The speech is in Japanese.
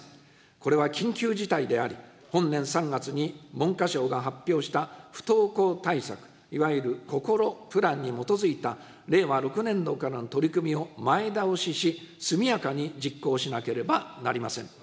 これは緊急事態であり、本年３月に文科省が発表した不登校対策、いわゆるＣＯＣＯＬＯプランに基づいた令和６年度からの取り組みを前倒しし、速やかに実行しなければなりません。